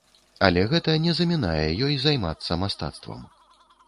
Але гэта не замінае ёй займацца мастацтвам.